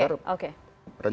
agar rencana pembangunan